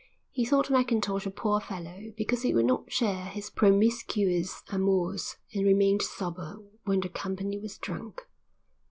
He thought Mackintosh a poor fellow because he would not share his promiscuous amours and remained sober when the company was drunk.